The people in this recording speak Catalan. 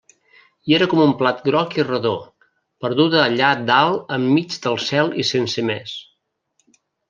I era com un plat groc i redó, perduda allà dalt enmig del cel i sense més.